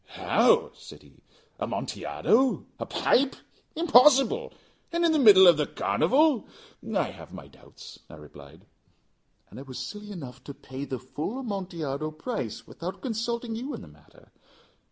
"How?" said he. "Amontillado? A pipe? Impossible! And in the middle of the carnival!" "I have my doubts," I replied; "and I was silly enough to pay the full Amontillado price without consulting you in the matter.